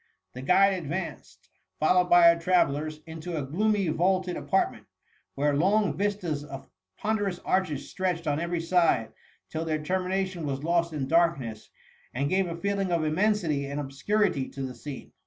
The guide advanced. SIO THE MUMMY. followed by our travellers, into a gloomy vaulted apartment, where long viatas of pon derous arches stretched on every side, tilj. their termination was lost in darkness, and gave a feeling of immensity and obscurity to the scene.